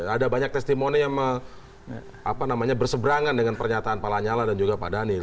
ada banyak testimoni yang berseberangan dengan pernyataan pak lanyala dan juga pak daniel